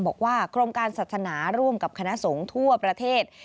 บอกว่ากรมการศาสนาร่วมกับคณะสงฆ์ทั่วประเทศ